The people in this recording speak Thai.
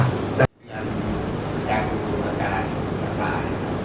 การแจ้งสุขภาษา